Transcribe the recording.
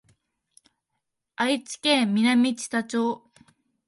愛知県南知多町